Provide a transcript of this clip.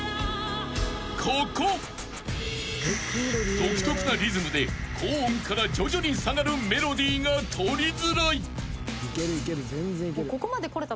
［独特なリズムで高音から徐々に下がるメロディーが取りづらい］